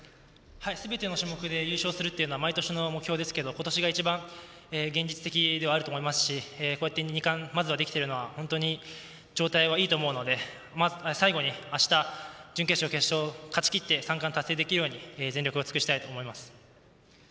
すべての種目で優勝するというのは毎年の目標ですけど今年が一番現実的ではあると思いますしこうやって２冠まずは、できているのは状態はいいと思いますし最後にあした準決勝、決勝勝ちきって三冠、達成できるように全力を尽くしたいと思います。